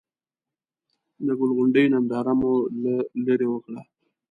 د ګل غونډۍ ننداره مو له ليرې وکړه.